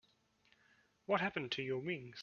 What happened to your wings?